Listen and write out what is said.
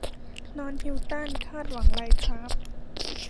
นอนฮิลตันคาดหวังไรครับ